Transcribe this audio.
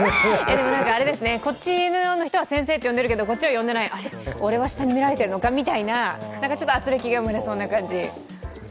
こっちの人は呼んでいるけど、こっちは呼んでいない、あれ、俺は下に見られているのかみたいなちょっとあつれきが生まれそうな感じ。